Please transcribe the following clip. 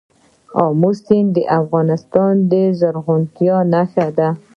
آمو سیند د افغانستان د زرغونتیا نښه ده.